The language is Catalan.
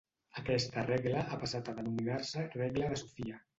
Aquesta regla ha passat a denominar-se regla de Sofia.